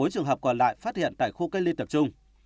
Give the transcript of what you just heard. bốn trường hợp còn lại phát hiện tại khu cây liên tập trung